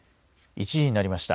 １時になりました。